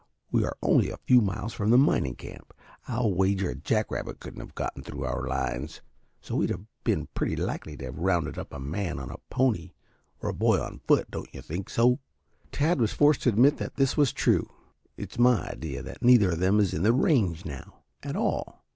We are only a few miles from the mining camp. I'll wager a jack rabbit couldn't have gotten through our lines, so we'd have been pretty likely to have rounded up a man on a pony or a boy on foot. Don't you think so?" Tad was forced to admit that this was true. "It's my idea that neither of them is in the range now, at all.